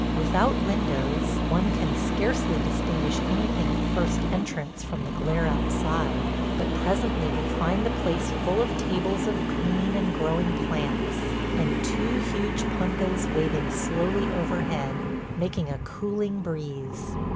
Without windows, one can scarcely distinguish anything at first entrance from the glare outside; but presently we find the place full of tables of green and growing plants, and two huge punkahs waving slowly overhead, making a cooling breeze.